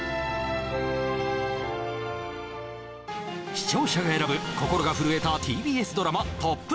視聴者が選ぶ心が震えたＴＢＳドラマＴＯＰ